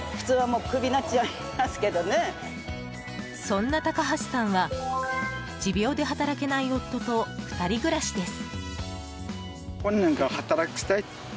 そんな高橋さんは持病で働けない夫と２人暮らしです。